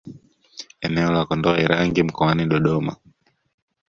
Eneo la Kondoa Irangi mkoani Dodoma